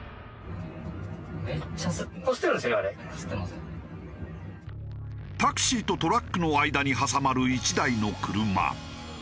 更にタクシーとトラックの間に挟まる１台の車。